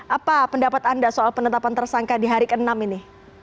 apa pendapat anda soal penetapan tersangka di hari ke enam ini